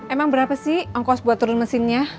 emang berapa sih ongkos buat turun mesinnya